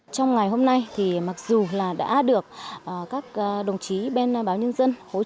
trong ngày hôm nay bàn ghế học sinh đã được bàn giao cho nhà trường trong ngày hội khai trường